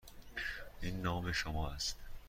آیا این نام شما است؟